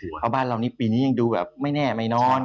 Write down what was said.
เพราะบ้านเรานี้ปีนี้ยังดูแบบไม่แน่ไม่นอน